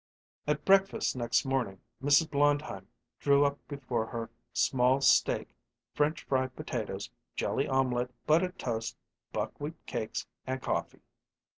At breakfast next morning Mrs. Blondheim drew up before her "small steak, French fried potatoes, jelly omelet, buttered toast, buckwheat cakes, and coffee."